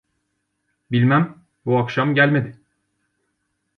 Bilmem, bu akşam gelmedi!